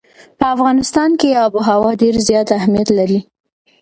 په افغانستان کې آب وهوا ډېر زیات اهمیت لري.